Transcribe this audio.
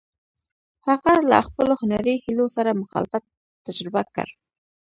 هغه له خپلو هنري هیلو سره مخالفت تجربه کړ.